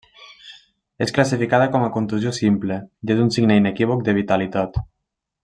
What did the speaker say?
És classificada com a contusió simple i és un signe inequívoc de vitalitat.